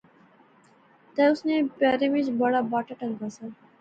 تہ اس نے پیریں وچ بڑا باٹا ٹہنگا سا